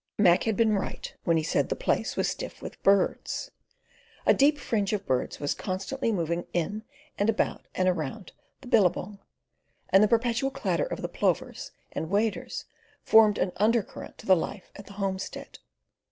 Mac had been right when he said the place was stiff with birds. A deep fringe of birds was constantly moving in and about and around the billabong; and the perpetual clatter of the plovers and waders formed an undercurrent to the life at the homestead.